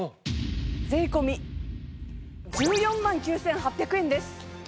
税込１４万９８００円です。